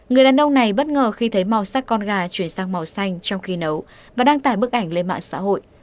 người đàn ông này bất ngờ khi thấy màu sắc con gà chuyển sang màu xanh trong khi nấu và đăng tải bức ảnh lên mạng xã hội